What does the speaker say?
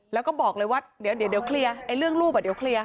แล้วก็บอกเลยว่าเดี๋ยวเคลียร์เรื่องรูปเดี๋ยวเคลียร์